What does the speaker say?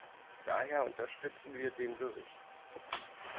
Daher unterstützen wir den Bericht.